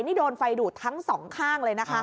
นี่โดนไฟดูดทั้งสองข้างเลยนะคะ